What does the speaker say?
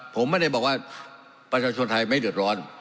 ผมไม่ได้บอกว่าประชาชนไทยไม่เดือดร้อน